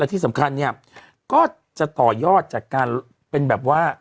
ที่สำคัญเนี่ยก็จะต่อยอดจากการเป็นแบบว่า